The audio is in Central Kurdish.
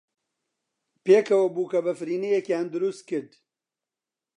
پێکەوە بووکەبەفرینەیەکیان دروست کرد.